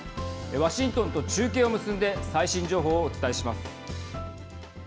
ワシントンと中継を結んで最新情報をお伝えします。